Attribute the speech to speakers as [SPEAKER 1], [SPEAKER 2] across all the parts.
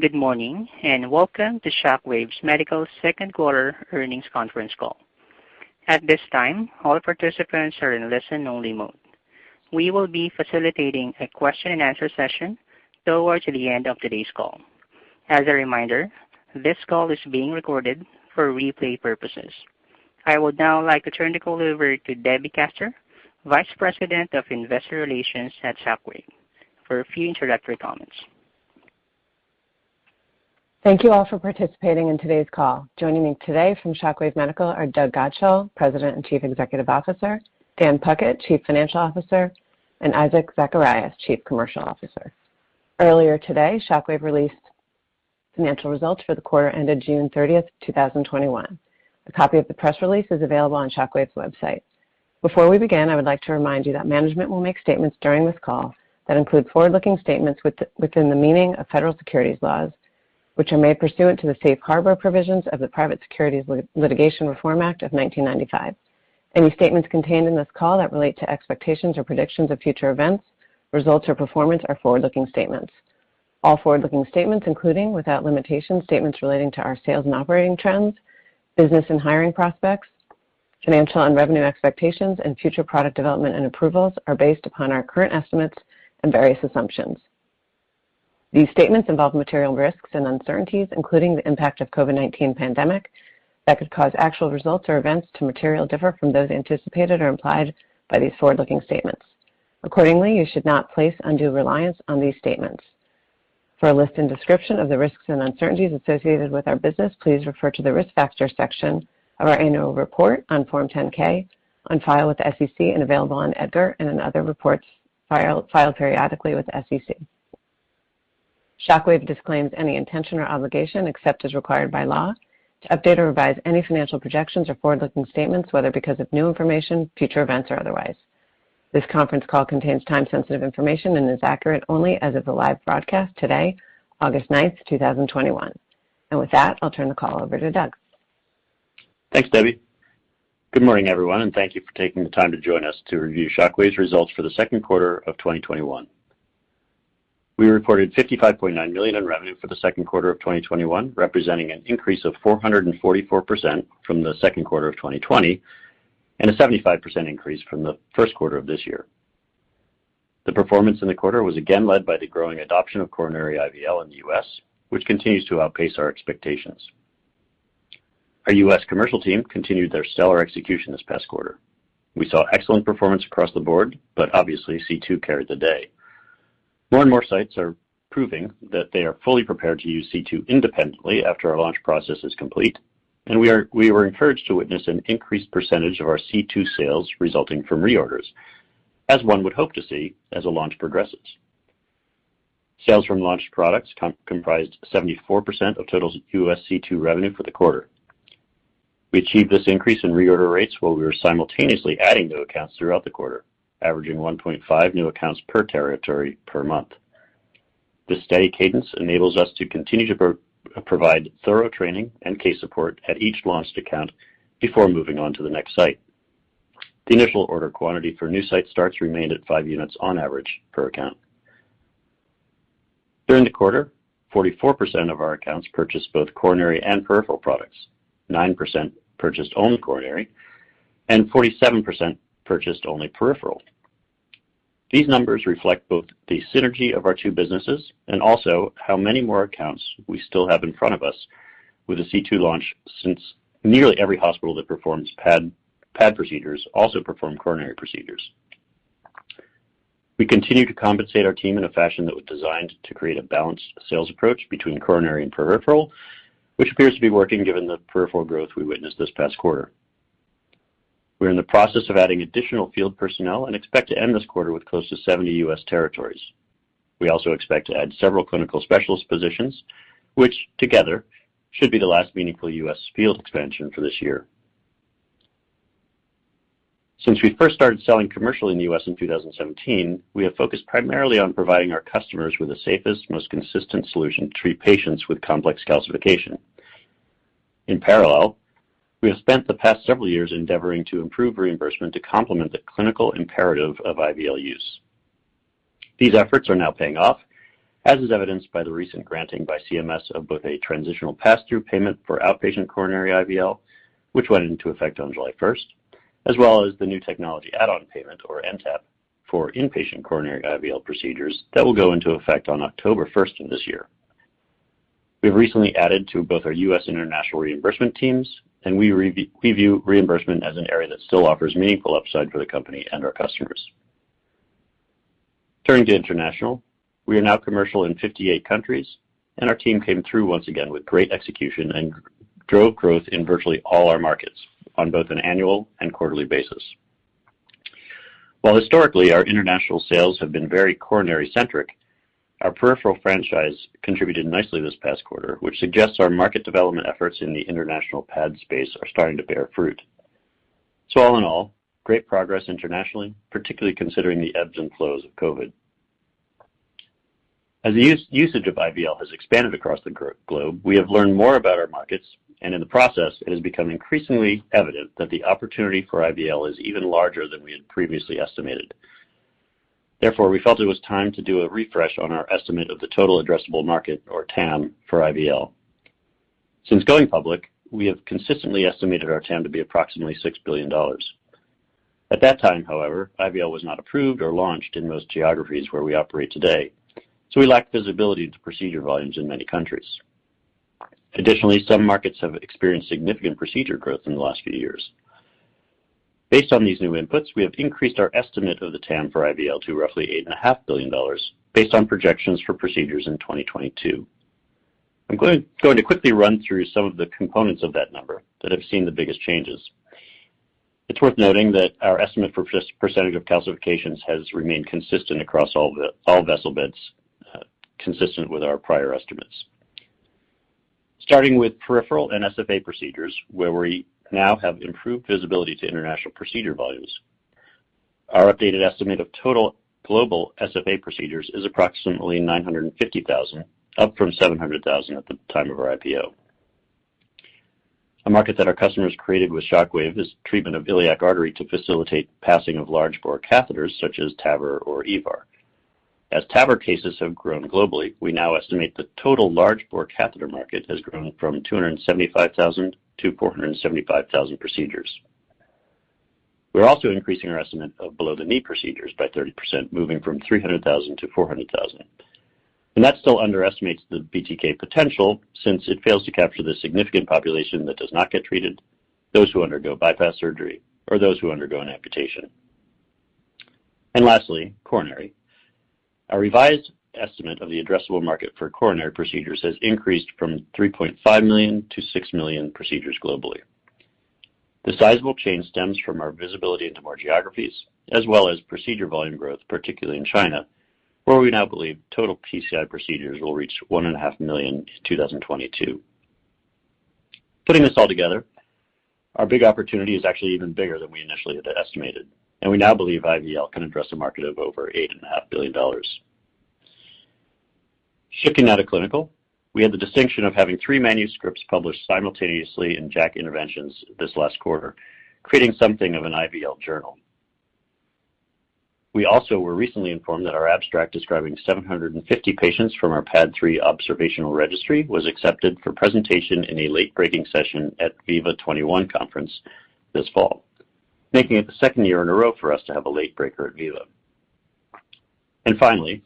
[SPEAKER 1] Good morning, and welcome to ShockWave Medical's second quarter earnings conference call. At this time, all participants are in listen only mode. We will be facilitating a question and answer session towards the end of today's call. As a reminder, this call is being recorded for replay purposes. I would now like to turn the call over to Debbie Kaster, Vice President of Investor Relations at Shockwave, for a few introductory comments.
[SPEAKER 2] Thank you all for participating in today's call. Joining me today from ShockWave Medical are Doug Godshall, President and Chief Executive Officer, Dan Puckett, Chief Financial Officer, and Isaac Zacharias, Chief Commercial Officer. Earlier today, ShockWave released financial results for the quarter ended June 30, 2021. A copy of the press release is available on ShockWave's website. Before we begin, I would like to remind you that management will make statements during this call that include forward-looking statements within the meaning of federal securities laws, which are made pursuant to the Safe Harbor provisions of the Private Securities Litigation Reform Act of 1995. Any statements contained in this call that relate to expectations or predictions of future events, results, or performance are forward-looking statements. All forward-looking statements, including, without limitation, statements relating to our sales and operating trends, business and hiring prospects, financial and revenue expectations, and future product development and approvals, are based upon our current estimates and various assumptions. These statements involve material risks and uncertainties, including the impact of COVID-19 pandemic, that could cause actual results or events to materially differ from those anticipated or implied by these forward-looking statements. Accordingly, you should not place undue reliance on these statements. For a list and description of the risks and uncertainties associated with our business, please refer to the Risk Factor section of our annual report on Form 10-K on file with the SEC and available on EDGAR and in other reports filed periodically with the SEC. ShockWave disclaims any intention or obligation, except as required by law, to update or revise any financial projections or forward-looking statements, whether because of new information, future events, or otherwise. This conference call contains time-sensitive information and is accurate only as of the live broadcast today, August ninth, 2021. With that, I'll turn the call over to Doug.
[SPEAKER 3] Thanks, Debbie. Good morning, everyone, thank you for taking the time to join us to review ShockWave's results for the second quarter of 2021. We reported $55.9 million in revenue for the second quarter of 2021, representing an increase of 444% from the second quarter of 2020 and a 75% increase from the first quarter of this year. The performance in the quarter was again led by the growing adoption of coronary IVL in the U.S., which continues to outpace our expectations. Our U.S. commercial team continued their stellar execution this past quarter. We saw excellent performance across the board, but obviously C2 carried the day. More and more sites are proving that they are fully prepared to use C2 independently after our launch process is complete. We were encouraged to witness an increased percentage of our C2 sales resulting from reorders, as one would hope to see as a launch progresses. Sales from launched products comprised 74% of total U.S. C2 revenue for the quarter. We achieved this increase in reorder rates while we were simultaneously adding new accounts throughout the quarter, averaging 1.5 new accounts per territory per month. This steady cadence enables us to continue to provide thorough training and case support at each launched account before moving on to the next site. The initial order quantity for new site starts remained at 5 units on average per account. During the quarter, 44% of our accounts purchased both coronary and peripheral products, 9% purchased only coronary, and 47% purchased only peripheral. These numbers reflect both the synergy of our two businesses and also how many more accounts we still have in front of us with the C2 launch, since nearly every hospital that performs PAD procedures also perform coronary procedures. We continue to compensate our team in a fashion that was designed to create a balanced sales approach between coronary and peripheral, which appears to be working given the peripheral growth we witnessed this past quarter. We're in the process of adding additional field personnel and expect to end this quarter with close to 70 U.S. territories. We also expect to add several clinical specialist positions, which together should be the last meaningful U.S. field expansion for this year. Since we first started selling commercially in the U.S. in 2017, we have focused primarily on providing our customers with the safest, most consistent solution to treat patients with complex calcification. In parallel, we have spent the past several years endeavoring to improve reimbursement to complement the clinical imperative of IVL use. These efforts are now paying off, as is evidenced by the recent granting by CMS of both a Transitional Pass-Through Payment for outpatient coronary IVL, which went into effect on July first, as well as the new technology add-on payment, or NTAP, for inpatient coronary IVL procedures that will go into effect on October first of this year. We've recently added to both our U.S. and international reimbursement teams, and we view reimbursement as an area that still offers meaningful upside for the company and our customers. Turning to international, we are now commercial in 58 countries, and our team came through once again with great execution and drove growth in virtually all our markets on both an annual and quarterly basis. While historically, our international sales have been very coronary centric, our peripheral franchise contributed nicely this past quarter, which suggests our market development efforts in the international PAD space are starting to bear fruit. All in all, great progress internationally, particularly considering the ebbs and flows of COVID. As the usage of IVL has expanded across the globe, we have learned more about our markets, and in the process, it has become increasingly evident that the opportunity for IVL is even larger than we had previously estimated. Therefore, we felt it was time to do a refresh on our estimate of the total addressable market, or TAM, for IVL. Since going public, we have consistently estimated our TAM to be approximately $6 billion. At that time, however, IVL was not approved or launched in most geographies where we operate today, so we lacked visibility to procedure volumes in many countries. Additionally, some markets have experienced significant procedure growth in the last few years. Based on these new inputs, we have increased our estimate of the TAM for IVL to roughly $8.5 billion based on projections for procedures in 2022. I'm going to quickly run through some of the components of that number that have seen the biggest changes. It's worth noting that our estimate for percent of calcifications has remained consistent across all vessel beds, consistent with our prior estimates. Starting with peripheral and SFA procedures, where we now have improved visibility to international procedure volumes. Our updated estimate of total global SFA procedures is approximately 950,000, up from 700,000 at the time of our IPO. A market that our customers created with ShockWave is treatment of iliac artery to facilitate passing of large bore catheters such as TAVR or EVAR. As TAVR cases have grown globally, we now estimate the total large bore catheter market has grown from 275,000 to 475,000 procedures. We are also increasing our estimate of below-the-knee procedures by 30%, moving from 300,000 to 400,000. That still underestimates the BTK potential, since it fails to capture the significant population that does not get treated, those who undergo bypass surgery, or those who undergo an amputation. Lastly, coronary. Our revised estimate of the addressable market for coronary procedures has increased from 3.5 million-6 million procedures globally. The sizable change stems from our visibility into more geographies, as well as procedure volume growth, particularly in China, where we now believe total PCI procedures will reach 1.5 million in 2022. Putting this all together, our big opportunity is actually even bigger than we initially had estimated. We now believe IVL can address a market of over $8.5 billion. Shifting out of clinical, we had the distinction of having three manuscripts published simultaneously in JACC Interventions this last quarter, creating something of an IVL journal. We also were recently informed that our abstract describing 750 patients from our PAD III observational registry was accepted for presentation in a late breaking session at VIVA 21 Conference this fall, making it the second year in a row for us to have a late breaker at VIVA. Finally,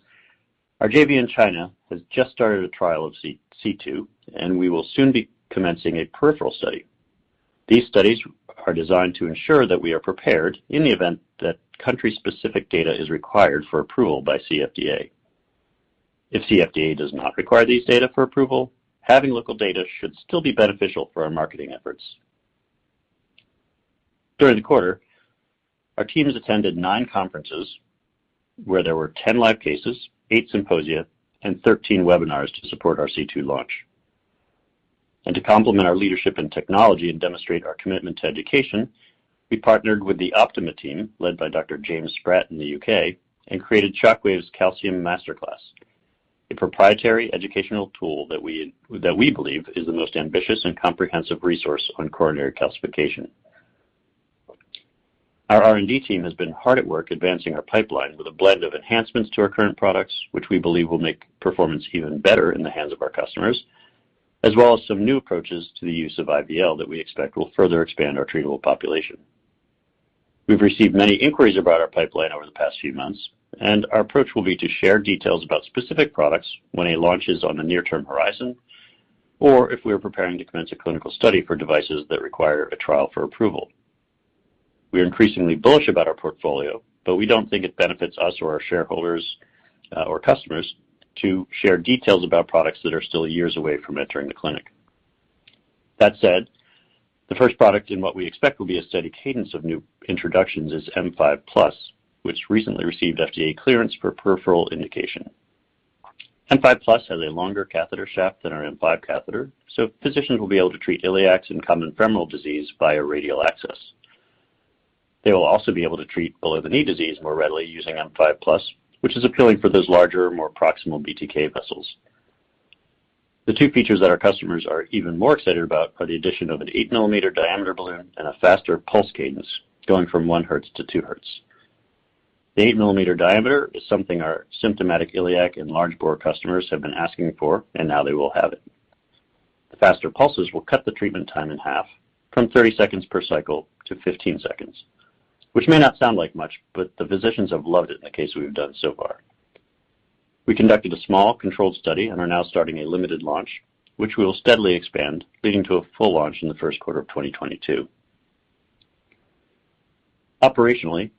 [SPEAKER 3] our JV in China has just started a trial of C2. We will soon be commencing a peripheral study. These studies are designed to ensure that we are prepared in the event that country-specific data is required for approval by CFDA. If CFDA does not require these data for approval, having local data should still be beneficial for our marketing efforts. During the quarter, our teams attended nine conferences, where there were 10 live cases, 8 symposia, and 13 webinars to support our C2 launch. To complement our leadership and technology and demonstrate our commitment to education, we partnered with the Optima team, led by Dr. James Spratt in the U.K., and created ShockWave's Calcium Masterclass, a proprietary educational tool that we believe is the most ambitious and comprehensive resource on coronary calcification. Our R&D team has been hard at work advancing our pipeline with a blend of enhancements to our current products, which we believe will make performance even better in the hands of our customers, as well as some new approaches to the use of IVL that we expect will further expand our treatable population. We've received many inquiries about our pipeline over the past few months, and our approach will be to share details about specific products when a launch is on a near-term horizon, or if we are preparing to commence a clinical study for devices that require a trial for approval. We are increasingly bullish about our portfolio, but we don't think it benefits us or our shareholders or customers to share details about products that are still years away from entering the clinic. That said, the first product in what we expect will be a steady cadence of new introductions is M5+, which recently received FDA clearance for peripheral indication. M5 Plus has a longer catheter shaft than our M5 catheter, so physicians will be able to treat iliacs and common femoral disease via radial access. They will also be able to treat below-the-knee disease more readily using M5 Plus, which is appealing for those larger, more proximal BTK vessels. The two features that our customers are even more excited about are the addition of an 8-millimeter diameter balloon and a faster pulse cadence, going from 1 hertz to 2 hertz. The 8-millimeter diameter is something our symptomatic iliac and large bore customers have been asking for. Now they will have it. The faster pulses will cut the treatment time in half, from 30 seconds per cycle to 15 seconds, which may not sound like much. The physicians have loved it in the case we've done so far. We conducted a small, controlled study and are now starting a limited launch, which we will steadily expand, leading to a full launch in the first quarter of 2022. Operationally,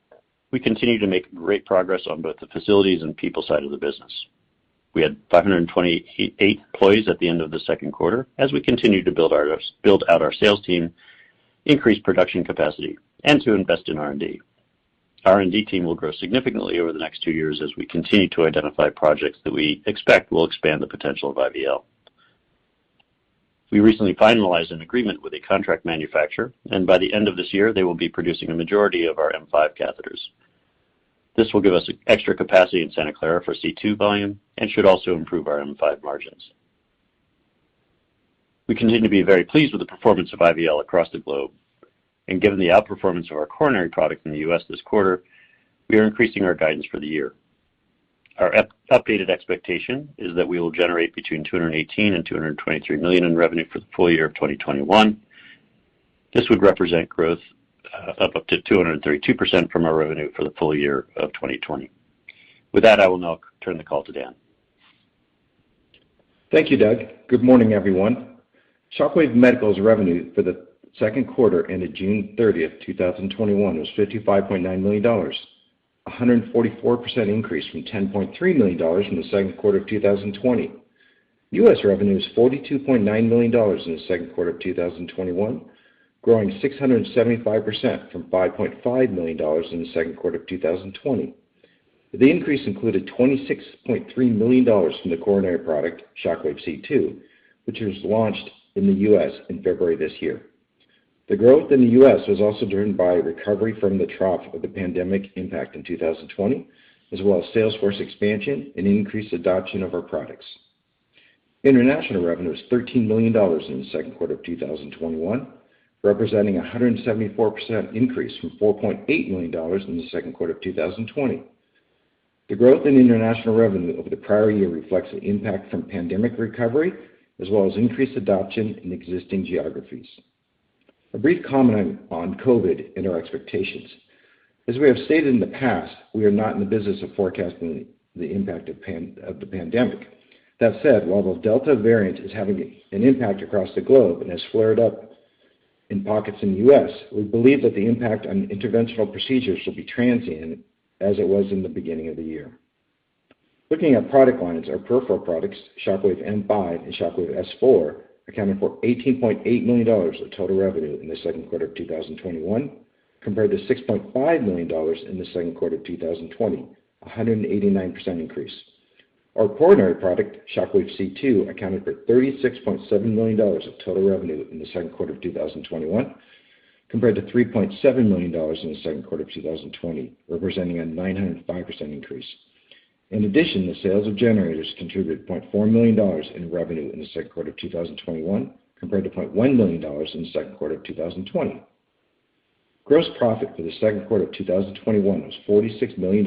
[SPEAKER 3] we continue to make great progress on both the facilities and people side of the business. We had 528 employees at the end of the second quarter, as we continue to build out our sales team, increase production capacity, and to invest in R&D. Our R&D team will grow significantly over the next two years as we continue to identify projects that we expect will expand the potential of IVL. We recently finalized an agreement with a contract manufacturer. By the end of this year, they will be producing a majority of our M5 catheters. This will give us extra capacity in Santa Clara for C2 volume and should also improve our M5 margins. We continue to be very pleased with the performance of IVL across the globe. Given the outperformance of our coronary product in the U.S. this quarter, we are increasing our guidance for the year. Our updated expectation is that we will generate between $218 million and $223 million in revenue for the full year of 2021. This would represent growth of up to 232% from our revenue for the full year of 2020. With that, I will now turn the call to Dan.
[SPEAKER 4] Thank you, Doug. Good morning, everyone. Shockwave Medical's revenue for the second quarter ended June 30th, 2021, was $55.9 million, 144% increase from $10.3 million in the second quarter of 2020. U.S. revenue was $42.9 million in the second quarter of 2021, growing 675% from $5.5 million in the second quarter of 2020. The increase included $26.3 million from the coronary product, Shockwave C2, which was launched in the U.S. in February this year. The growth in the U.S. was also driven by a recovery from the trough of the pandemic impact in 2020, as well as sales force expansion and increased adoption of our products. International revenue was $13 million in the second quarter of 2021, representing 174% increase from $4.8 million in the second quarter of 2020. The growth in international revenue over the prior year reflects the impact from pandemic recovery, as well as increased adoption in existing geographies. A brief comment on COVID and our expectations. As we have stated in the past, we are not in the business of forecasting the impact of the pandemic. That said, while the Delta variant is having an impact across the globe and has flared up in pockets in the U.S., we believe that the impact on interventional procedures will be transient as it was in the beginning of the year. Looking at product lines, our peripheral products, ShockWave M5 and ShockWave S4, accounted for $18.8 million of total revenue in the second quarter of 2021, compared to $6.5 million in the second quarter of 2020, 189% increase. Our coronary product, Shockwave C2, accounted for $36.7 million of total revenue in the second quarter of 2021, compared to $3.7 million in the second quarter of 2020, representing a 905% increase. In addition, the sales of generators contributed $0.4 million in revenue in the second quarter of 2021, compared to $0.1 million in the second quarter of 2020. Gross profit for the second quarter of 2021 was $46 million,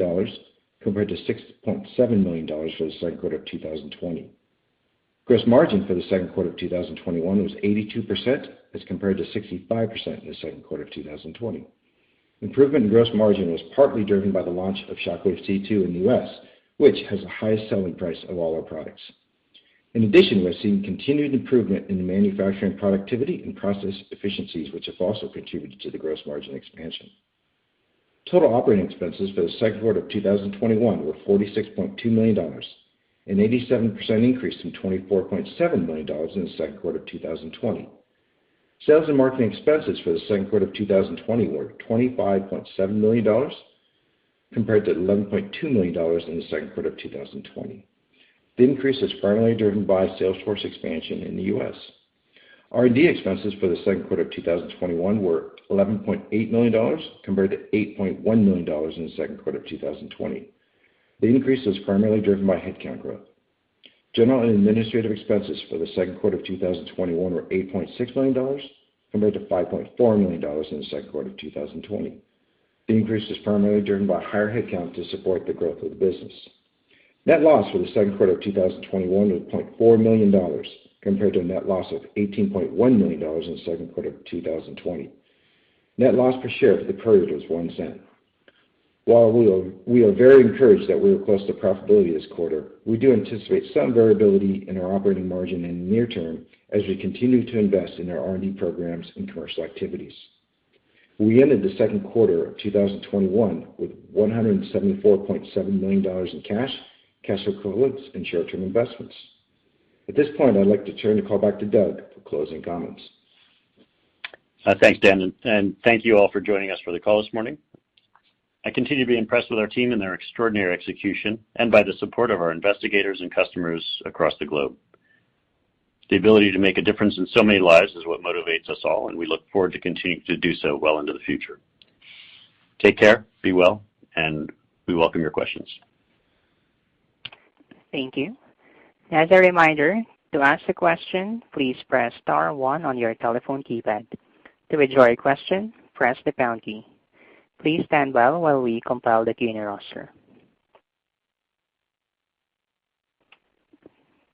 [SPEAKER 4] compared to $6.7 million for the second quarter of 2020. Gross margin for the second quarter of 2021 was 82%, as compared to 65% in the second quarter of 2020. Improvement in gross margin was partly driven by the launch of Shockwave C2 in the U.S., which has the highest selling price of all our products. In addition, we're seeing continued improvement in the manufacturing productivity and process efficiencies, which have also contributed to the gross margin expansion. Total operating expenses for the second quarter of 2021 were $46.2 million, an 87% increase from $24.7 million in the second quarter of 2020. Sales and marketing expenses for the second quarter of 2020 were $25.7 million, compared to $11.2 million in the second quarter of 2020. The increase is primarily driven by sales force expansion in the U.S. R&D expenses for the second quarter of 2021 were $11.8 million, compared to $8.1 million in the second quarter of 2020. The increase was primarily driven by headcount growth. General and administrative expenses for the second quarter of 2021 were $8.6 million, compared to $5.4 million in the second quarter of 2020. The increase was primarily driven by higher headcount to support the growth of the business. Net loss for the second quarter of 2021 was $0.4 million, compared to a net loss of $18.1 million in the second quarter of 2020. Net loss per share for the period was $0.01. While we are very encouraged that we reached profitability this quarter, we do anticipate some variability in our operating margin in the near term as we continue to invest in our R&D programs and commercial activities. We ended the second quarter of 2021 with $174.7 million in cash equivalents, and short-term investments. At this point, I'd like to turn the call back to Doug for closing comments.
[SPEAKER 3] Thanks, Dan. Thank you all for joining us for the call this morning. I continue to be impressed with our team and their extraordinary execution and by the support of our investigators and customers across the globe. The ability to make a difference in so many lives is what motivates us all, and we look forward to continuing to do so well into the future. Take care, be well, and we welcome your questions.
[SPEAKER 1] Thank you. As a reminder, to ask a question, please press star 1 on your telephone keypad. To withdraw your question, press the pound key. Please stand by while we compile the queue and roster.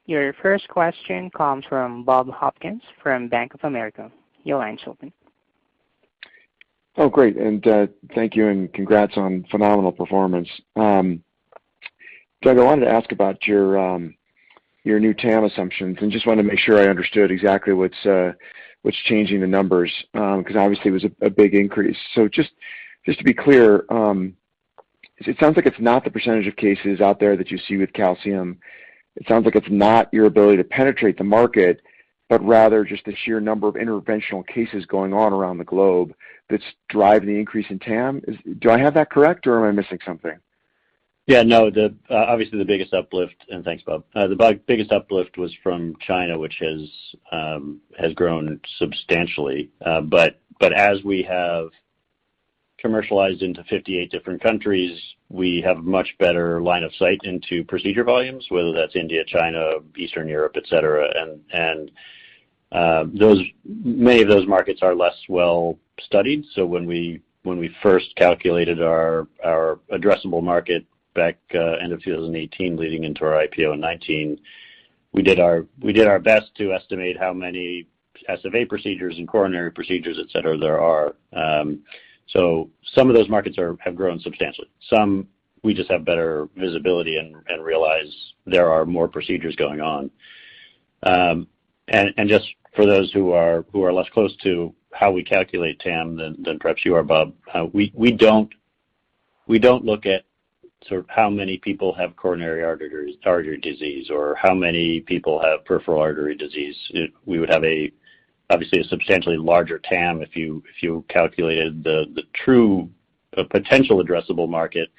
[SPEAKER 1] Your first question comes from Bob Hopkins from Bank of America. Your line's open.
[SPEAKER 5] Oh, great. Thank you and congrats on phenomenal performance. Doug, I wanted to ask about your new TAM assumptions and just wanted to make sure I understood exactly what's changing the numbers. Obviously, it was a big increase. Just to be clear, it sounds like it's not the percentage of cases out there that you see with calcium. It sounds like it's not your ability to penetrate the market, but rather just the sheer number of interventional cases going on around the globe that's driving the increase in TAM. Do I have that correct, or am I missing something?
[SPEAKER 3] Yeah, no. Obviously, the biggest uplift. And thanks, Bob. As we have commercialized into 58 different countries, we have a much better line of sight into procedure volumes, whether that's India, China, Eastern Europe, et cetera. Many of those markets are less well-studied. When we first calculated our addressable market back end of 2018 leading into our IPO in 2019, we did our best to estimate how many SFA procedures and coronary procedures, et cetera, there are. Some of those markets have grown substantially. Some we just have better visibility and realize there are more procedures going on. Just for those who are less close to how we calculate TAM than perhaps you are, Bob, we don't look at sort of how many people have coronary artery disease or how many people have peripheral artery disease. We would have obviously a substantially larger TAM if you calculated the true potential addressable market.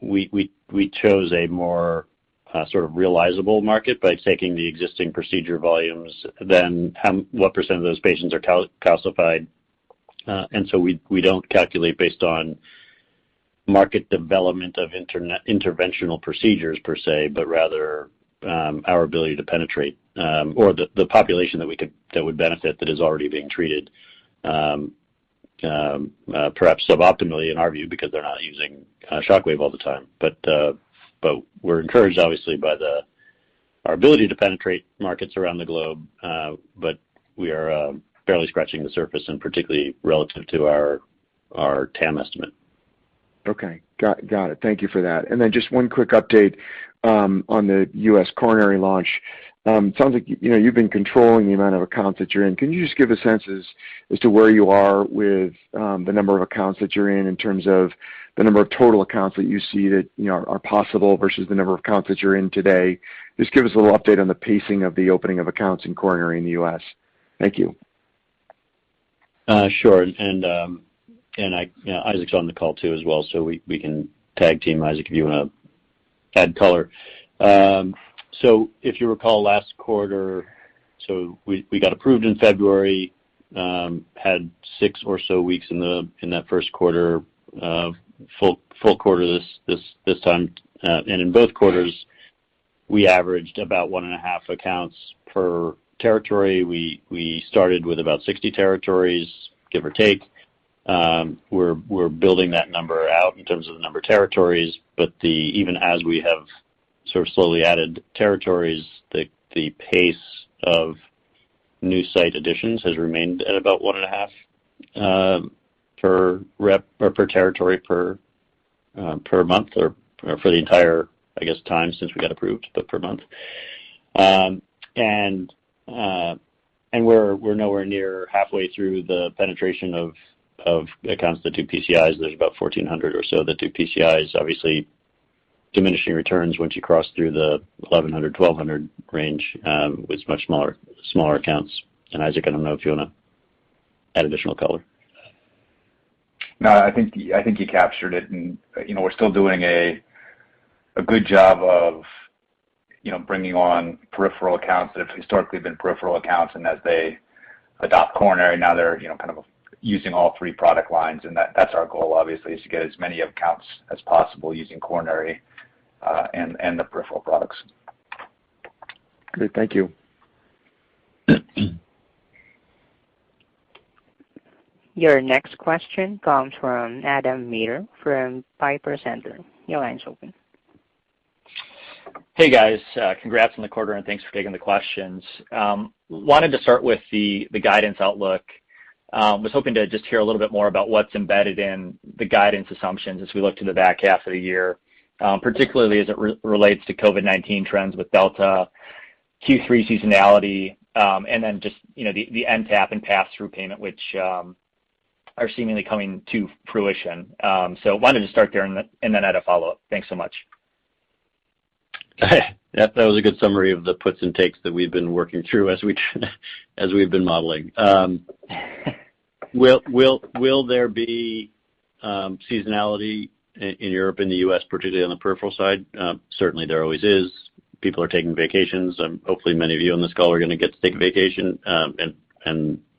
[SPEAKER 3] We chose a more sort of realizable market by taking the existing procedure volumes, then what % of those patients are calcified. We don't calculate based on market development of interventional procedures per se, but rather our ability to penetrate. The population that would benefit that is already being treated, perhaps suboptimally in our view, because they're not using ShockWave all the time. We're encouraged, obviously, by our ability to penetrate markets around the globe. We are barely scratching the surface and particularly relative to our TAM estimate.
[SPEAKER 5] Okay. Got it. Thank you for that. Just one quick update on the U.S. coronary launch. It sounds like you've been controlling the amount of accounts that you're in. Can you just give a sense as to where you are with the number of accounts that you're in terms of the number of total accounts that you see that are possible versus the number of accounts that you're in today? Just give us a little update on the pacing of the opening of accounts in coronary in the U.S. Thank you.
[SPEAKER 3] Sure. Isaac's on the call too as well, so we can tag team, Isaac, if you want to add color. If you recall last quarter, so we got approved in February. Had six or so weeks in that first quarter. Full quarter this time. In both quarters, we averaged about 1.5 accounts per territory. We started with about 60 territories, give or take. We're building that number out in terms of the number of territories, but even as we have sort of slowly added territories, the pace of new site additions has remained at about 1.5 per rep or per territory per month or for the entire, I guess, time since we got approved, but per month. We're nowhere near halfway through the penetration of accounts that do PCIs. There's about 1,400 or so that do PCIs. Obviously diminishing returns once you cross through the 1,100, 1,200 range with much smaller accounts. Isaac, I don't know if you want to add additional color.
[SPEAKER 6] No, I think you captured it and we're still doing a good job of bringing on peripheral accounts that have historically been peripheral accounts. As they adopt coronary, now they're kind of using all three product lines, and that's our goal, obviously, is to get as many accounts as possible using coronary and the peripheral products.
[SPEAKER 5] Great, thank you.
[SPEAKER 1] Your next question comes from Adam Maeder from Piper Sandler. Your line's open.
[SPEAKER 7] Hey, guys. Congrats on the quarter, thanks for taking the questions. Wanted to start with the guidance outlook. Was hoping to just hear a little bit more about what's embedded in the guidance assumptions as we look to the back half of the year. Particularly as it relates to COVID-19 trends with Delta, Q3 seasonality, just the NTAP and passthrough payment, which are seemingly coming to fruition. Wanted to start there add a follow-up. Thanks so much.
[SPEAKER 3] That was a good summary of the puts and takes that we've been working through as we've been modeling. Will there be seasonality in Europe and the U.S., particularly on the peripheral side? Certainly, there always is. People are taking vacations. Hopefully, many of you on this call are going to get to take a vacation.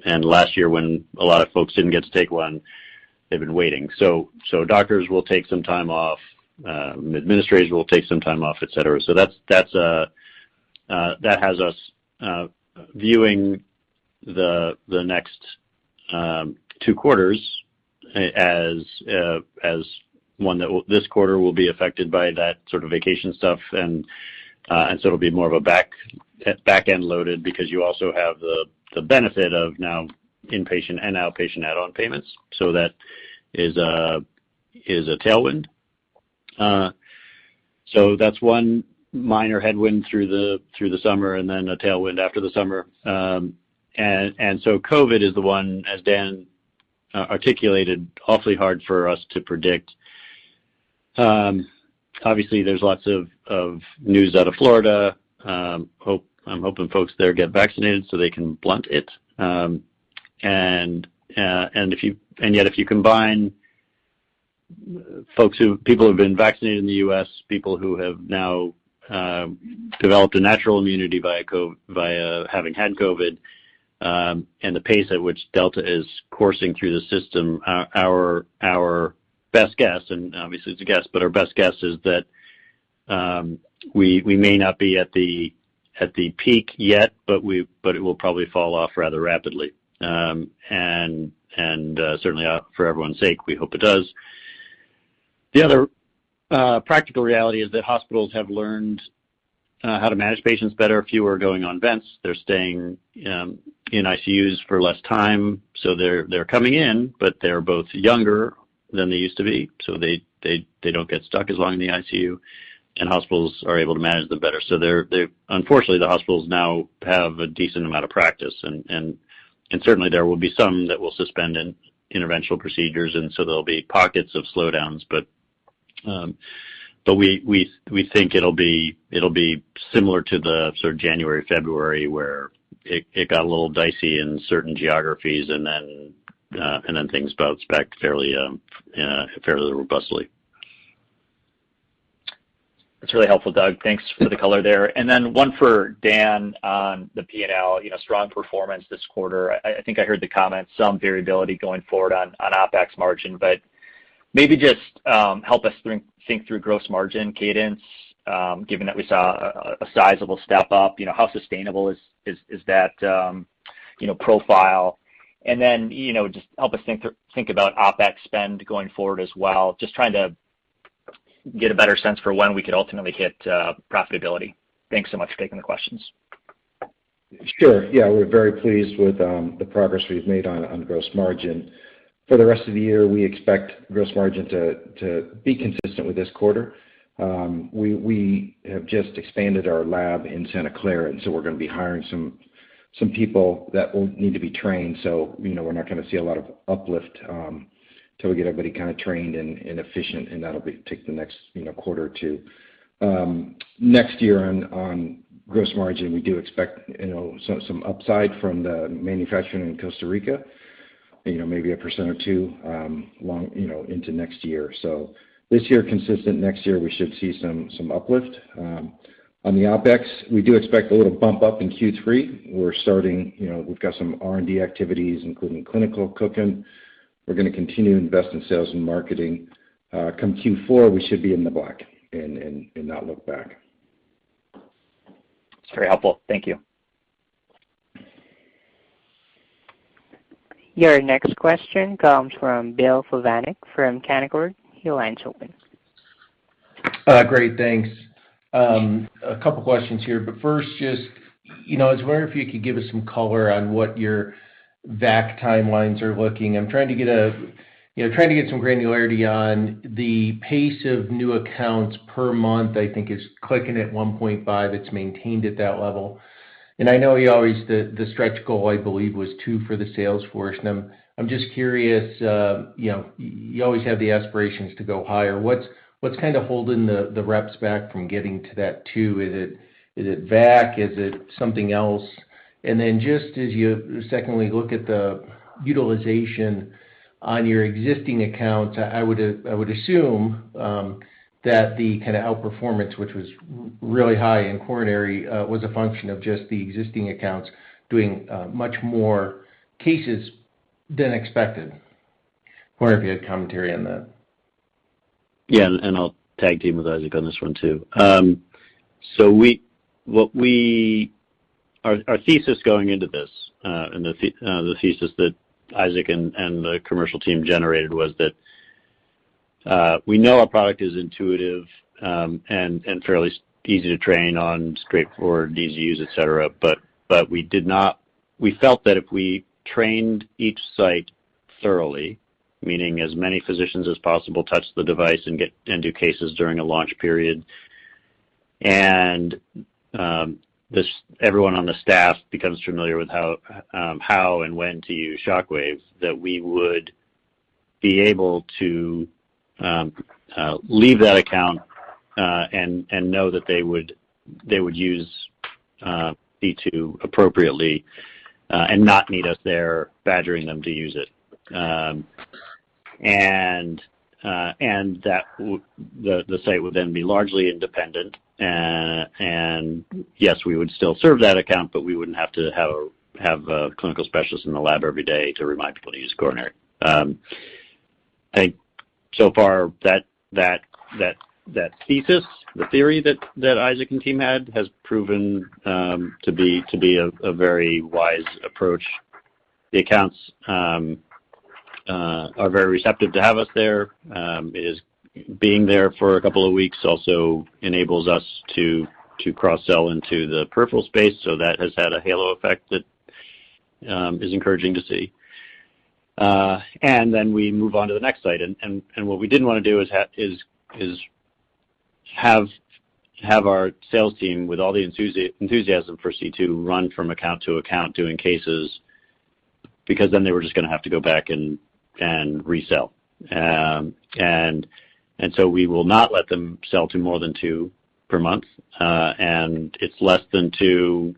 [SPEAKER 3] Last year when a lot of folks didn't get to take one, they've been waiting. Doctors will take some time off, administrators will take some time off, et cetera. That has us viewing the next two quarters as one that this quarter will be affected by that sort of vacation stuff. It'll be more of a back-end loaded because you also have the benefit of now inpatient and outpatient add-on payments. That is a tailwind. That's one minor headwind through the summer, and then a tailwind after the summer. COVID is the one, as Dan articulated, awfully hard for us to predict. Obviously, there's lots of news out of Florida. I'm hoping folks there get vaccinated so they can blunt it. Yet, if you combine folks who, people who have been vaccinated in the U.S., people who have now developed a natural immunity via having had COVID, and the pace at which Delta is coursing through the system, our best guess, and obviously it's a guess, but our best guess is that we may not be at the peak yet, but it will probably fall off rather rapidly. Certainly for everyone's sake, we hope it does. The other practical reality is that hospitals have learned how to manage patients better. Fewer are going on vents. They're staying in ICUs for less time. They're coming in, but they're both younger than they used to be, so they don't get stuck as long in the ICU, and hospitals are able to manage them better. Unfortunately, the hospitals now have a decent amount of practice, and certainly there will be some that will suspend interventional procedures, and so there'll be pockets of slowdowns. We think it'll be similar to the sort of January, February where it got a little dicey in certain geographies, and then things bounced back fairly robustly.
[SPEAKER 7] That's really helpful, Doug. Thanks for the color there. Then one for Dan on the P&L. Strong performance this quarter. I think I heard the comment, some variability going forward on OpEx margin. Maybe just help us think through gross margin cadence, given that we saw a sizable step up. How sustainable is that profile? Then just help us think about OpEx spend going forward as well. Just trying to get a better sense for when we could ultimately hit profitability. Thanks so much for taking the questions.
[SPEAKER 4] Sure. Yeah. We're very pleased with the progress we've made on gross margin. For the rest of the year, we expect gross margin to be consistent with this quarter. We have just expanded our lab in Santa Clara. We're going to be hiring some people that will need to be trained. We're not going to see a lot of uplift until we get everybody trained and efficient, and that'll take the next quarter or two. Next year on gross margin, we do expect some upside from the manufacturing in Costa Rica, maybe a 1% or 2 into next year. This year consistent, next year we should see some uplift. On the OpEx, we do expect a little bump up in Q3. We've got some R&D activities, including clinical studies. We're going to continue to invest in sales and marketing. Come Q4, we should be in the black and not look back.
[SPEAKER 7] That's very helpful. Thank you.
[SPEAKER 1] Your next question comes from Bill Plovanic from Canaccord. Your line is open.
[SPEAKER 8] Great. Thanks. A couple questions here. First, I was wondering if you could give us some color on what your VAC timelines are looking. I'm trying to get some granularity on the pace of new accounts per month, I think is clicking at 1.5. It's maintained at that level. I know you always, the stretch goal, I believe, was 2 for the sales force, and I'm just curious, you always have the aspirations to go higher. What's kind of holding the reps back from getting to that two? Is it VAC? Is it something else? Then just as you secondly look at the utilization on your existing accounts, I would assume that the kind of outperformance, which was really high in coronary, was a function of just the existing accounts doing much more cases than expected. Wondering if you had commentary on that.
[SPEAKER 3] Yeah, I'll tag team with Isaac on this one, too. Our thesis going into this, the thesis that Isaac and the commercial team generated was that we know our product is intuitive and fairly easy to train on, straightforward, easy to use, et cetera. We felt that if we trained each site thoroughly, meaning as many physicians as possible touch the device and do cases during a launch period, everyone on the staff becomes familiar with how and when to use ShockWave, that we would be able to leave that account and know that they would use C2 appropriately, not need us there badgering them to use it. The site would be largely independent. Yes, we would still serve that account, we wouldn't have to have a clinical specialist in the lab every day to remind people to use coronary. I think so far that thesis, the theory that Isaac and team had, has proven to be a very wise approach. The accounts are very receptive to have us there. Being there for a couple of weeks also enables us to cross-sell into the peripheral space, that has had a halo effect that is encouraging to see. We move on to the next site. What we didn't want to do is have our sales team with all the enthusiasm for C2 run from account to account doing cases, they were just going to have to go back and resell. We will not let them sell to more than two per month. It's less than two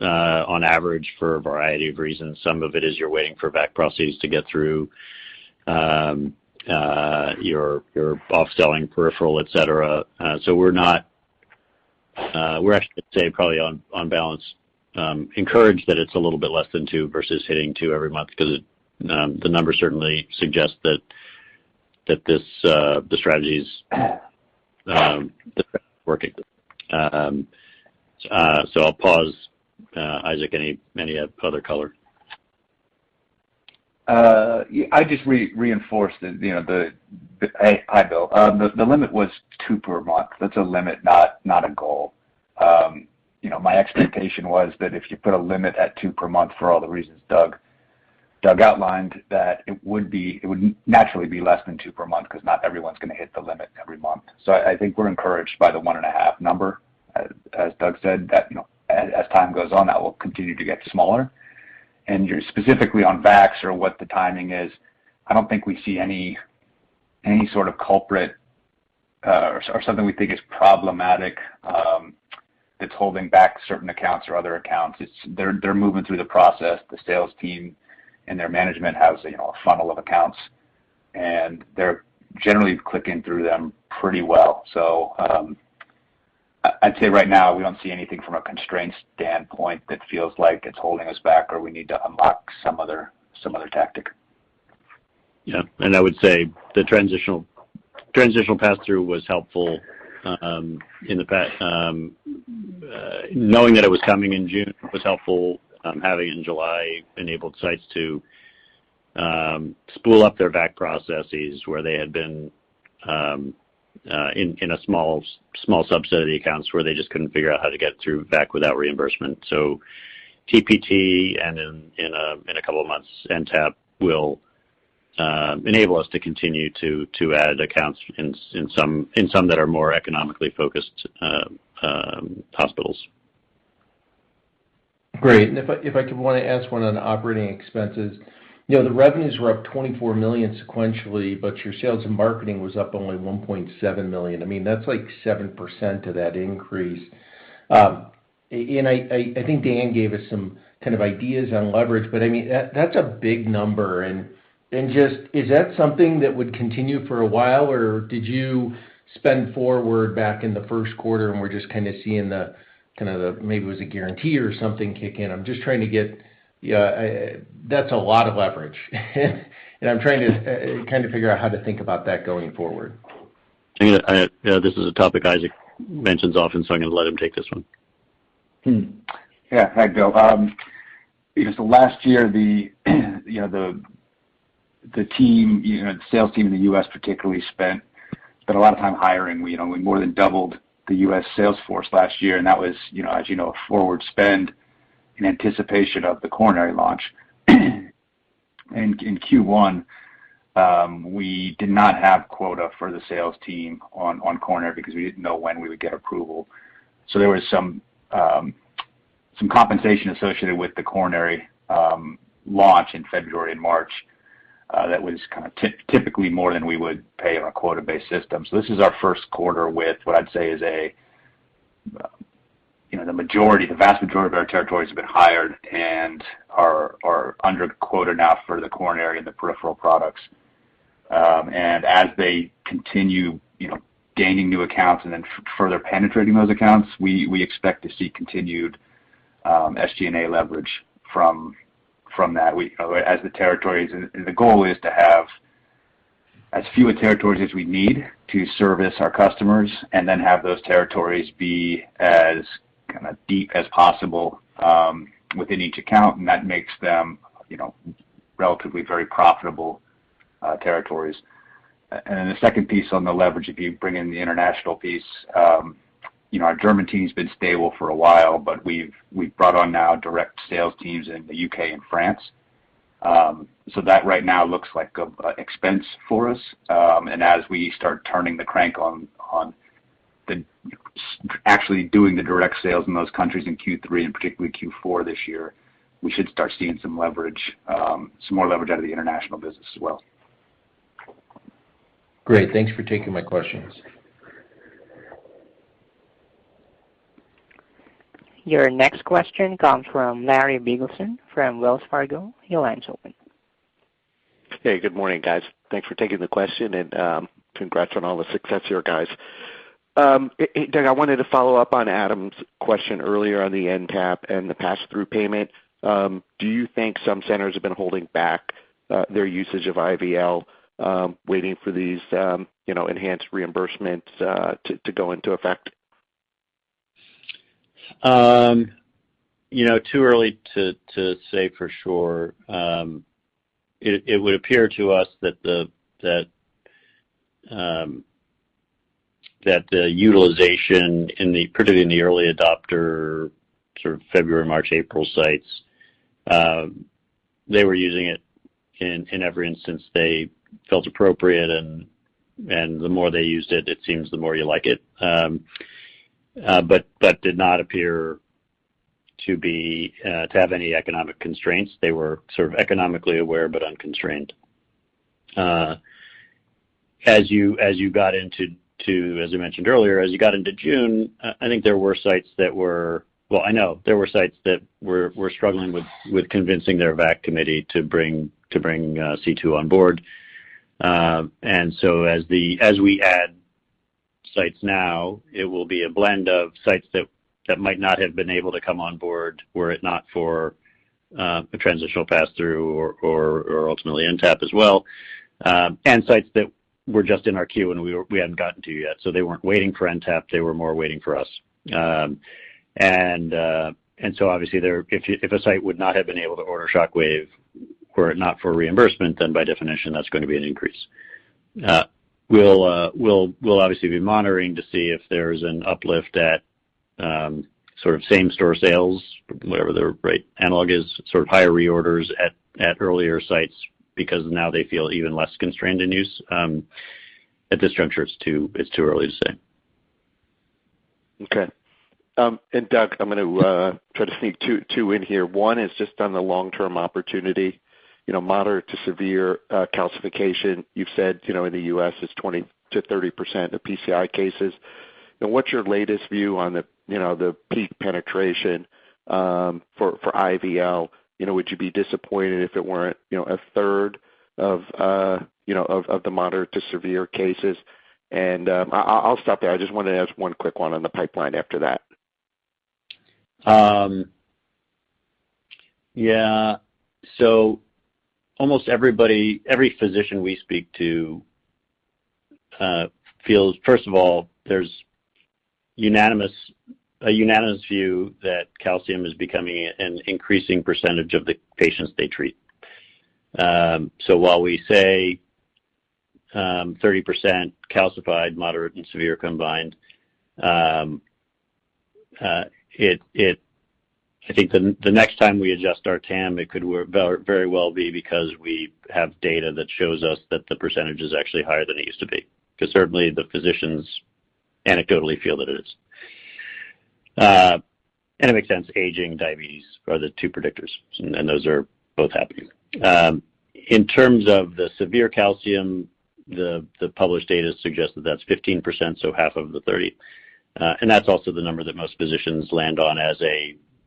[SPEAKER 3] on average for a variety of reasons. Some of it is you're waiting for VAC processes to get through, your off-selling peripheral, et cetera. We're actually say probably on balance, encouraged that it's a little bit less than two versus hitting two every month because the numbers certainly suggest that the strategy's working. I'll pause. Isaac, any other color?
[SPEAKER 6] I just reinforce the Hi, Bill. The limit was two per month. That's a limit, not a goal. My expectation was that if you put a limit at two per month, for all the reasons Doug outlined, that it would naturally be less than two per month, because not everyone's going to hit the limit every month. I think we're encouraged by the 1.5 number, as Doug said, that as time goes on, that will continue to get smaller. Specifically on VIVA or what the timing is, I don't think we see any sort of culprit or something we think is problematic that's holding back certain accounts or other accounts. They're moving through the process. The sales team and their management has a funnel of accounts, and they're generally clicking through them pretty well. I'd say right now, we don't see anything from a constraints standpoint that feels like it's holding us back or we need to unlock some other tactic.
[SPEAKER 3] Yeah. I would say the Transitional Pass-Through Payment was helpful in the past. Knowing that it was coming in June was helpful. Having in July enabled sites to spool up their VAC processes where they had been in a small subset of the accounts where they just couldn't figure out how to get through VAC without reimbursement. TPT and in a couple of months, NTAP will enable us to continue to add accounts in some that are more economically focused hospitals.
[SPEAKER 8] Great. If I want to ask one on operating expenses. The revenues were up $24 million sequentially, but your sales and marketing was up only $1.7 million. That's like 7% of that increase. I think Dan gave us some kind of ideas on leverage, but that's a big number. Then just is that something that would continue for a while, or did you spend forward back in the first quarter and we're just kind of seeing the, maybe it was a guarantee or something kick in? I'm just trying to get, that's a lot of leverage, and I'm trying to figure out how to think about that going forward.
[SPEAKER 3] This is a topic Isaac mentions often, so I'm going to let him take this one.
[SPEAKER 6] Yeah. Hi, Bill. Because the last year, the team, the sales team in the U.S. particularly spent a lot of time hiring. We more than doubled the U.S. sales force last year, and that was as you know a forward spend in anticipation of the coronary launch. In Q1, we did not have quota for the sales team on coronary because we didn't know when we would get approval. There was some compensation associated with the coronary launch in February and March that was kind of typically more than we would pay on a quota-based system. This is our first quarter with what I'd say is the vast majority of our territories have been hired and are under quota now for the coronary and the peripheral products. As they continue gaining new accounts and then further penetrating those accounts, we expect to see continued SG&A leverage from that. The goal is to have as few territories as we need to service our customers and then have those territories be as deep as possible within each account, and that makes them relatively very profitable territories. The second piece on the leverage, if you bring in the international piece, our German team's been stable for a while, but we've brought on now direct sales teams in the U.K. and France. That right now looks like an expense for us. As we start turning the crank on actually doing the direct sales in those countries in Q3 and particularly Q4 this year, we should start seeing some more leverage out of the international business as well.
[SPEAKER 8] Great. Thanks for taking my questions.
[SPEAKER 1] Your next question comes from Larry Biegelsen from Wells Fargo. Your line's open.
[SPEAKER 9] Hey, good morning, guys. Thanks for taking the question and congrats on all the success here, guys. Doug, I wanted to follow up on Adam's question earlier on the NTAP and the passthrough payment. Do you think some centers have been holding back their usage of IVL, waiting for these enhanced reimbursements to go into effect?
[SPEAKER 3] Too early to say for sure. It would appear to us that the utilization particularly in the early adopter sort of February, March, April sites, they were using it in every instance they felt appropriate and the more they used it seems the more you like it. That did not appear to have any economic constraints. They were sort of economically aware, but unconstrained. As you mentioned earlier, as you got into June, I think there were sites that were, well, I know there were sites that were struggling with convincing their VAC committee to bring C2 on board. As we add sites now, it will be a blend of sites that might not have been able to come on board were it not for a transitional pass-through or ultimately NTAP as well. Sites that were just in our queue and we hadn't gotten to yet, so they weren't waiting for NTAP, they were more waiting for us. Obviously, if a site would not have been able to order ShockWave were it not for reimbursement, then by definition, that's going to be an increase. We'll obviously be monitoring to see if there's an uplift at sort of same-store sales, whatever the right analog is, sort of higher reorders at earlier sites, because now they feel even less constrained in use. At this juncture, it's too early to say.
[SPEAKER 9] Okay. Doug, I'm going to try to sneak two in here. One is just on the long-term opportunity. Moderate to severe calcification, you've said, in the U.S. is 20%-30% of PCI cases. What's your latest view on the peak penetration for IVL? Would you be disappointed if it weren't 1/3 of the moderate to severe cases? I'll stop there. I just wanted to ask one quick one on the pipeline after that.
[SPEAKER 3] Almost every physician we speak to feels, first of all, there's a unanimous view that calcium is becoming an increasing percentage of the patients they treat. While we say 30% calcified, moderate and severe combined, I think the next time we adjust our TAM, it could very well be because we have data that shows us that the percentage is actually higher than it used to be. Certainly the physicians anecdotally feel that it is. It makes sense. Aging, diabetes are the two predictors, and those are both happening. In terms of the severe calcium, the published data suggests that that's 15%, so half of the 30%. That's also the number that most physicians land on as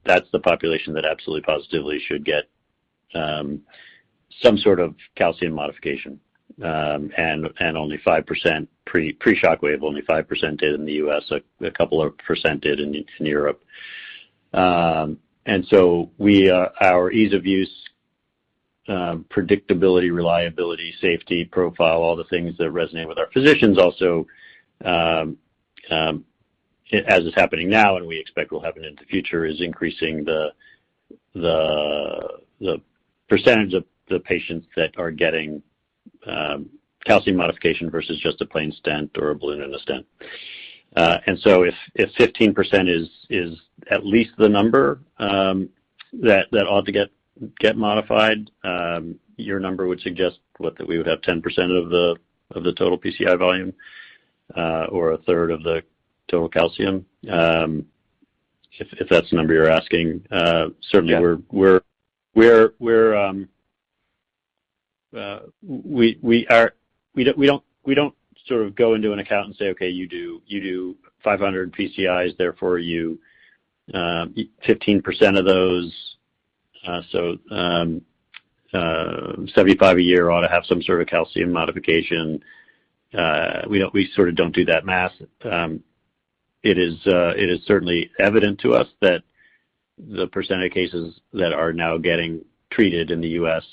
[SPEAKER 3] that's the population that absolutely, positively should get some sort of calcium modification. Pre-ShockWave, only 5% did in the U.S., a couple of percent did in Europe. Our ease of use, predictability, reliability, safety profile, all the things that resonate with our physicians also, as is happening now and we expect will happen in the future, is increasing the percentage of the patients that are getting calcium modification versus just a plain stent or a balloon and a stent. If 15% is at least the number that ought to get modified, your number would suggest, what? That we would have 10% of the total PCI volume, or a third of the total calcium? If that's the number you're asking. Certainly we don't sort of go into an account and say, "Okay, you do 500 PCIs, therefore, 15% of those, so 75 a year ought to have some sort of calcium modification." We sort of don't do that math. It is certainly evident to us that the percentage of cases that are now getting treated in the U.S.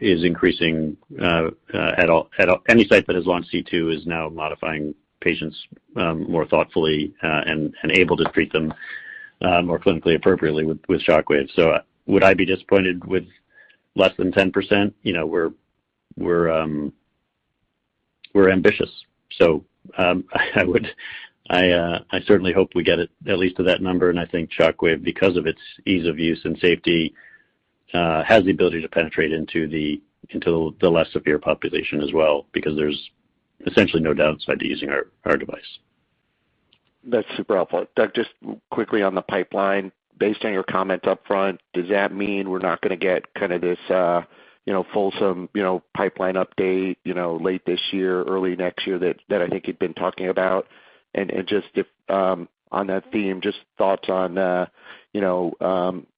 [SPEAKER 3] is increasing. Any site that has launched C2 is now modifying patients more thoughtfully, and able to treat them more clinically appropriately with Shockwave. Would I be disappointed with less than 10%? We're ambitious. I certainly hope we get it at least to that number, and I think Shockwave, because of its ease of use and safety, has the ability to penetrate into the less severe population as well, because there's essentially no downside to using our device.
[SPEAKER 9] That's super helpful. Doug, just quickly on the pipeline. Based on your comment up front, does that mean we're not going to get kind of this fulsome pipeline update late this year, early next year that I think you'd been talking about? Just on that theme, just thoughts on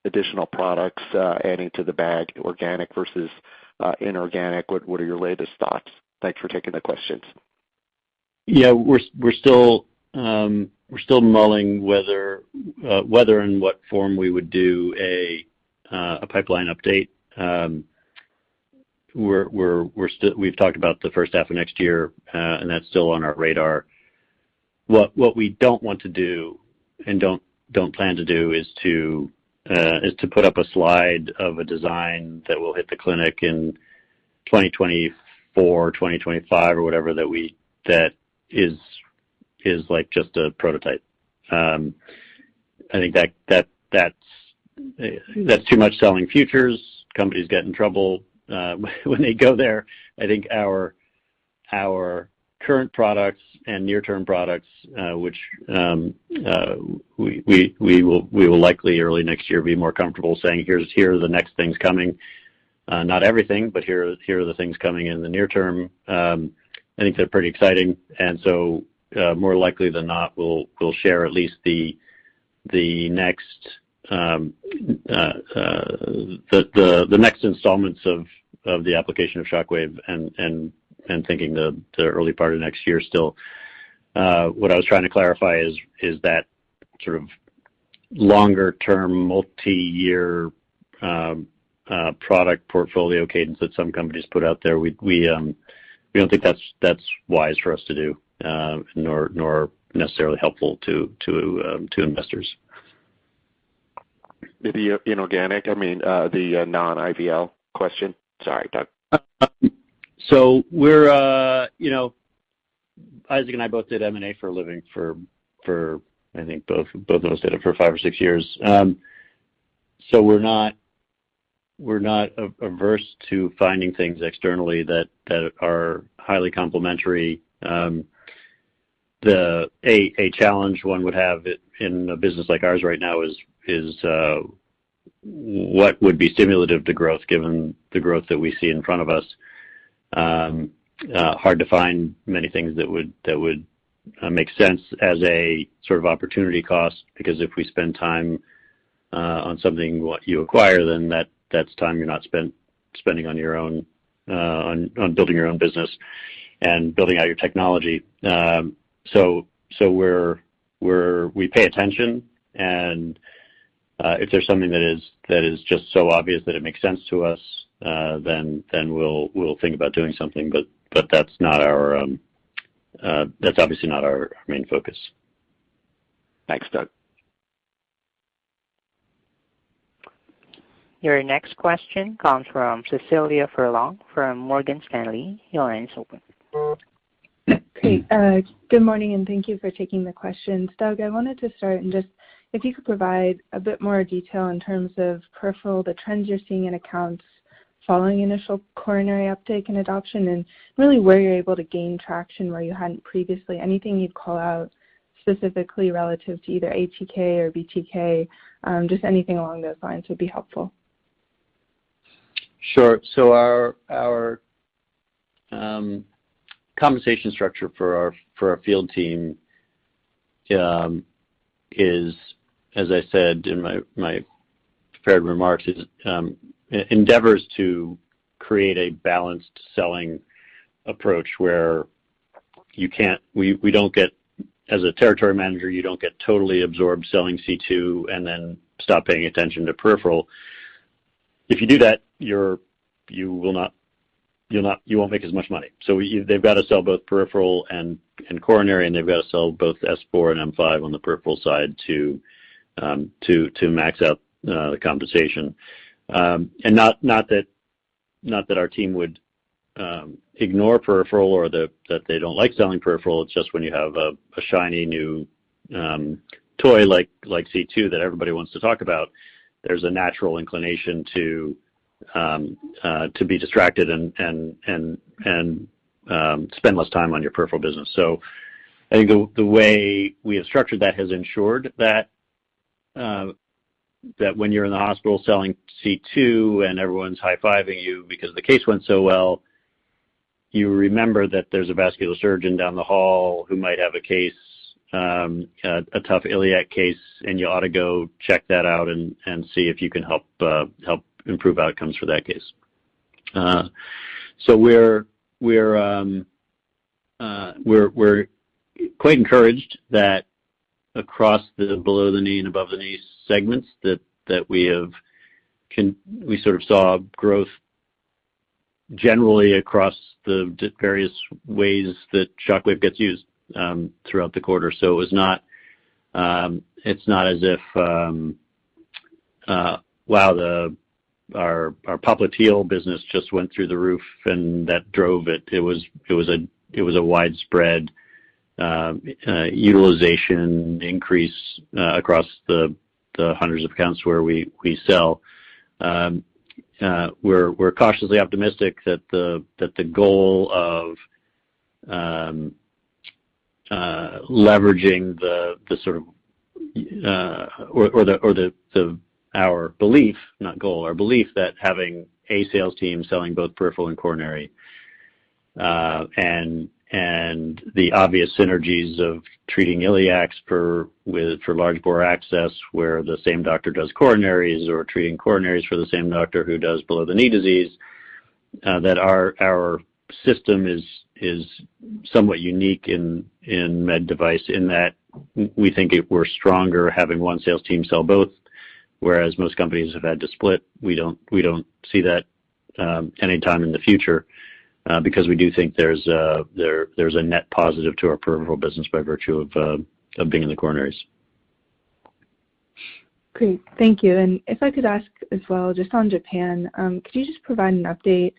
[SPEAKER 9] additional products adding to the bag, organic versus inorganic. What are your latest thoughts? Thanks for taking the questions.
[SPEAKER 3] Yeah. We're still mulling whether and what form we would do a pipeline update. We've talked about the first half of next year. That's still on our radar. What we don't want to do and don't plan to do is to put up a slide of a design that will hit the clinic in 2024, 2025, or whatever, that is just a prototype. I think that's too much selling futures. Companies get in trouble when they go there. I think Our current products and near-term products, which we will likely early next year be more comfortable saying, "Here are the next things coming. Not everything, but here are the things coming in the near term." I think they're pretty exciting. More likely than not, we'll share at least the next installments of the application of ShockWave and thinking the early part of next year still. What I was trying to clarify is that sort of longer-term, multi-year product portfolio cadence that some companies put out there. We don't think that's wise for us to do nor necessarily helpful to investors.
[SPEAKER 9] The inorganic, I mean, the non-IVL question. Sorry, Doug.
[SPEAKER 3] Isaac and I both did M&A for a living for, I think, both of us did it for five or six years. We're not averse to finding things externally that are highly complementary. A challenge one would have in a business like ours right now is what would be stimulative to growth given the growth that we see in front of us. Hard to find many things that would make sense as a sort of opportunity cost. If we spend time on something, what you acquire, then that's time you're not spending on building your own business and building out your technology. We pay attention, and if there's something that is just so obvious that it makes sense to us, then we'll think about doing something. That's obviously not our main focus.
[SPEAKER 9] Thanks, Doug.
[SPEAKER 1] Your next question comes from Cecilia Furlong from Morgan Stanley. Your line's open.
[SPEAKER 10] Great. Good morning, thank you for taking the questions. Doug, I wanted to start, just if you could provide a bit more detail in terms of peripheral, the trends you're seeing in accounts following initial coronary uptake and adoption, and really where you're able to gain traction where you hadn't previously. Anything you'd call out specifically relative to either ATK or BTK, just anything along those lines would be helpful.
[SPEAKER 3] Sure. Our compensation structure for our field team is, as I said in my prepared remarks, is endeavors to create a balanced selling approach where as a territory manager, you don't get totally absorbed selling C2 and then stop paying attention to peripheral. If you do that, you won't make as much money. They've got to sell both peripheral and coronary, and they've got to sell both S4 and M5 on the peripheral side to max out the compensation. Not that our team would ignore peripheral or that they don't like selling peripheral, it's just when you have a shiny new toy like C2 that everybody wants to talk about, there's a natural inclination to be distracted and spend less time on your peripheral business. I think the way we have structured that has ensured that when you're in the hospital selling C2 and everyone's high-fiving you because the case went so well, you remember that there's a vascular surgeon down the hall who might have a one case, a tough iliac case, and you ought to go check that out and see if you can help improve outcomes for that case. We're quite encouraged that across the below-the-knee and above-the-knee segments that we sort of saw growth generally across the various ways that ShockWave gets used throughout the quarter. It's not as if, wow, our popliteal business just went through the roof and that drove it. It was a widespread utilization increase across the hundreds of accounts where we sell. We're cautiously optimistic that the goal of leveraging or our belief, not goal, our belief that having a sales team selling both peripheral and coronary and the obvious synergies of treating iliacs for large bore access, where the same doctor does coronaries or treating coronaries for the same doctor who does below-the-knee disease, that our system is somewhat unique in med device in that we think we're stronger having one sales team sell both, whereas most companies have had to split. We don't see that anytime in the future, because we do think there's a net positive to our peripheral business by virtue of being in the coronaries.
[SPEAKER 10] Great. Thank you. If I could ask as well, just on Japan, could you just provide an update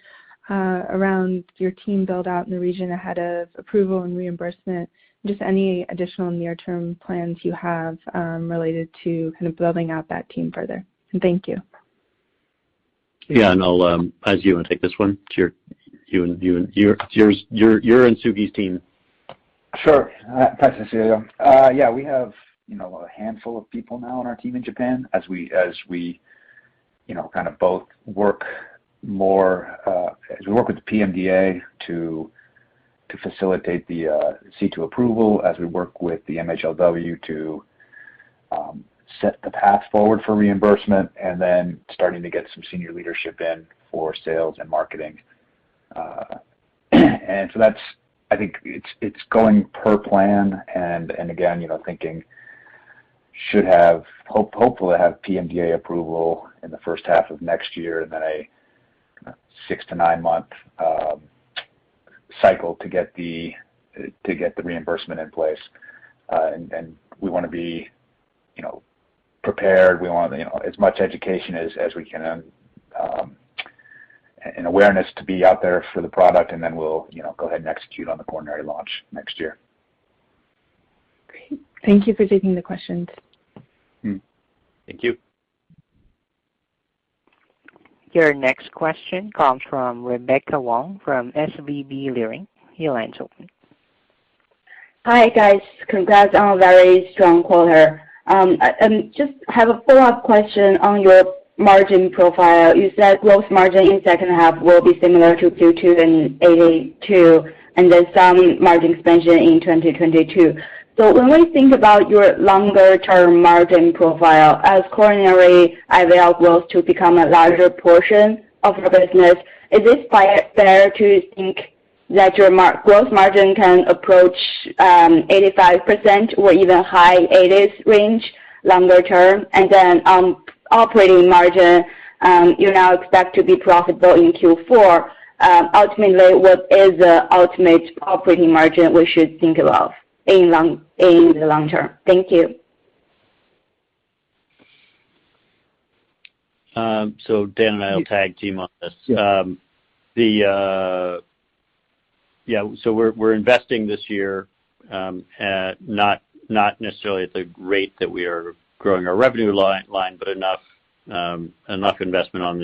[SPEAKER 10] around your team build-out in the region ahead of approval and reimbursement? Just any additional near-term plans you have related to kind of building out that team further. Thank you.
[SPEAKER 3] Yeah. I'll, Euan, take this one. You're in Sugi's team.
[SPEAKER 11] Sure. Thanks, Cecilia. Yeah, we have a handful of people now on our team in Japan as we work with the PMDA to facilitate the C2 approval, as we work with the MHLW to set the path forward for reimbursement, then starting to get some senior leadership in for sales and marketing. I think it's going per plan, and again, thinking should hopefully have PMDA approval in the first half of next year, then a six to nine-month cycle to get the reimbursement in place. We want to be prepared. We want as much education as we can and awareness to be out there for the product, then we'll go ahead and execute on the coronary launch next year.
[SPEAKER 10] Great. Thank you for taking the questions.
[SPEAKER 3] Thank you.
[SPEAKER 1] Your next question comes from Rebecca Wang from SVB Leerink. Your line's open.
[SPEAKER 12] Hi, guys. Congrats on a very strong quarter. I just have a follow-up question on your margin profile. You said gross margin in 2nd half will be similar to Q2 and 82%, then some margin expansion in 2022. When we think about your longer-term margin profile, as coronary IVL become a larger portion of your business, is it fair to think that your gross margin can approach 85% or even high 80s range longer term? On operating margin, you now expect to be profitable in Q4. Ultimately, what is the ultimate operating margin we should think about in the long term? Thank you.
[SPEAKER 3] Dan and I will tag team on this.
[SPEAKER 4] Yeah.
[SPEAKER 3] We're investing this year at not necessarily at the rate that we are growing our revenue line, but enough investment on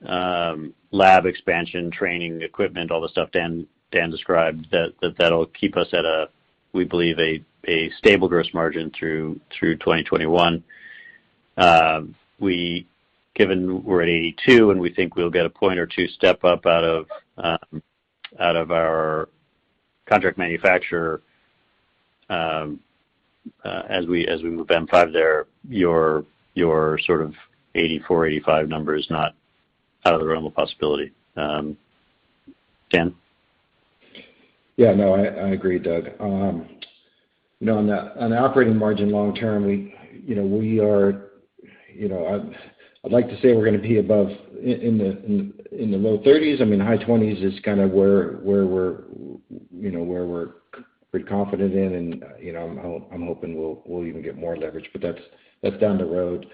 [SPEAKER 3] the lab expansion, training, equipment, all the stuff Dan described, that'll keep us at a, we believe, a stable gross margin through 2021. Given we're at 82% and we think we'll get a point or two step up out of our contract manufacturer as we move M5 there, your sort of 84%, 85% number is not out of the realm of possibility. Dan?
[SPEAKER 4] Yeah. No, I agree, Doug. On operating margin long term, I'd like to say we're going to be above in the low 30s. I mean, high 20s is kind of where we're pretty confident in, and I'm hoping we'll even get more leverage. That's down the road.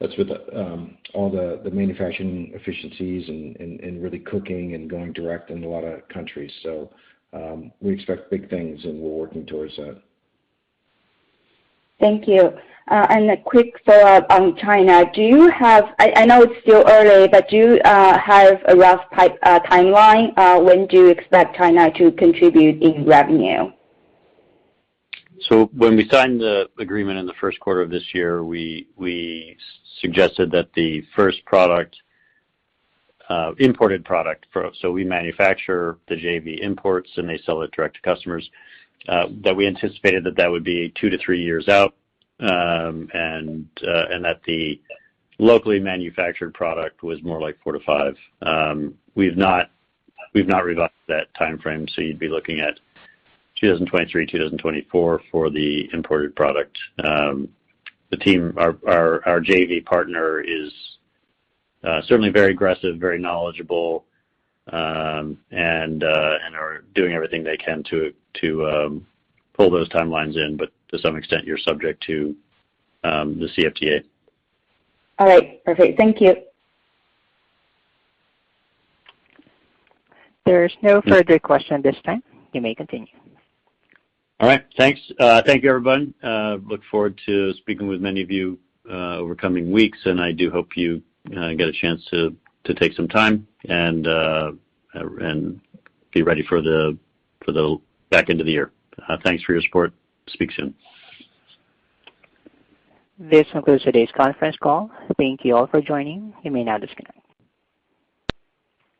[SPEAKER 4] That's with all the manufacturing efficiencies and really cooking and going direct in a lot of countries. We expect big things, and we're working towards that.
[SPEAKER 12] Thank you. A quick follow-up on China. I know it's still early, do you have a rough timeline? When do you expect China to contribute in revenue?
[SPEAKER 3] When we signed the agreement in the first quarter of this year, we suggested that the first imported product, so we manufacture, the JV imports, and they sell it direct to customers. That we anticipated that that would be two to three years out, and that the locally manufactured product was more like four to five. We've not revised that timeframe, you'd be looking at 2023, 2024 for the imported product. Our JV partner is certainly very aggressive, very knowledgeable, and are doing everything they can to pull those timelines in. To some extent, you're subject to the CFDA.
[SPEAKER 12] All right, perfect. Thank you.
[SPEAKER 1] There is no further question at this time. You may continue.
[SPEAKER 3] All right. Thanks. Thank you, everyone. Look forward to speaking with many of you over coming weeks. I do hope you get a chance to take some time and be ready for the back end of the year. Thanks for your support. Speak soon.
[SPEAKER 1] This concludes today's conference call. Thank you all for joining. You may now disconnect.